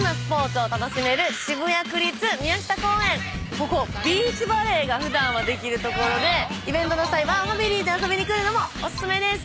ここビーチバレーが普段はできる所でイベントの際はファミリーで遊びに来るのもお薦めです。